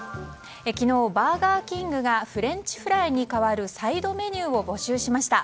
昨日、バーガーキングがフレンチフライに代わるサイドメニューを募集しました。